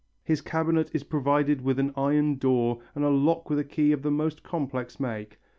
His cabinet is provided with an iron door and a lock with a key of most complex make.